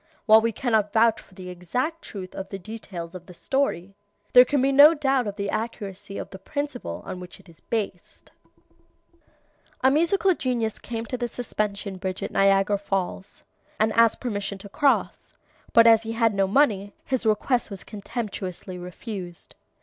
While we cannot vouch for the exact truth of the details of the story, there can be no doubt of the accuracy of the principle on which it is based: "A musical genius came to the Suspension Bridge at Niagara Falls, and asked permission to cross; but as he had no money, his request was contemptuously refused.